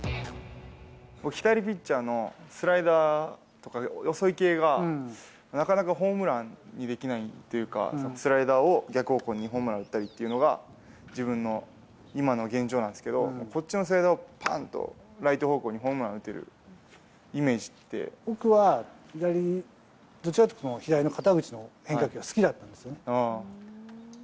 左ピッチャーのスライダーとか、遅い系が、なかなかホームランにできないというか、スライダーを逆方向にホームランを打ったりっていうのが、自分の今の現状なんですけど、こっちのスライダーをぱんとライト方向に僕は左、どちらかというと左の肩口の変化球が好きだったんですよね。